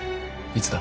いつだ？